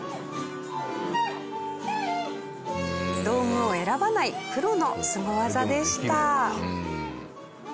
道具を選ばないプロのスゴ技でした。